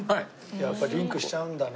やっぱリンクしちゃうんだな。